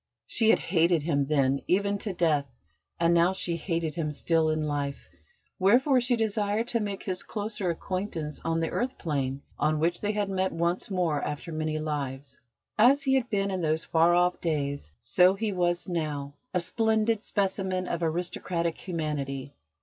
She had hated him then even to death, and now she hated him still in life; wherefore she desired to make his closer acquaintance on the earth plane on which they had met once more after many lives. As he had been in those far off days, so he was now, a splendid specimen of aristocratic humanity.